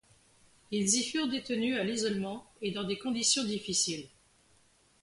Ils y furent détenus à l'isolement et dans des conditions difficiles.